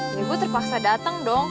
ya gue terpaksa dateng dong